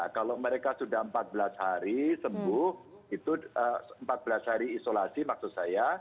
kalau mereka sudah empat belas hari sembuh itu empat belas hari isolasi maksud saya